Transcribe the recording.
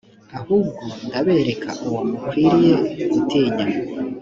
ahubwo ndabereka uwo mukwiriye gutinya.